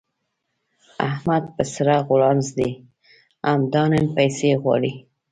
احمد په سره غولانځ دی؛ همدا نن پيسې غواړي.